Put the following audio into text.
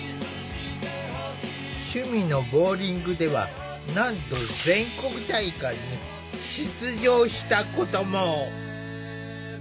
趣味のボウリングではなんと全国大会に出場したことも。